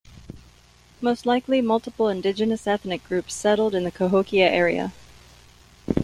Most likely multiple indigenous ethnic groups settled in the Cahokia area.